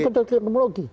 itu betul kelirumologi